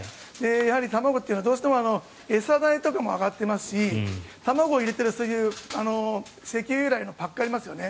やはり卵というのはどうしても餌代とかも上がっていますし卵入れている石油由来のパックもありますよね